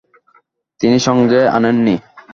তিনি সঙ্গে আনেন নি।